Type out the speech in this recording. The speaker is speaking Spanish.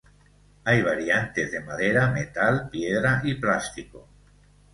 Hay variantes de madera, metal, piedra y plástico.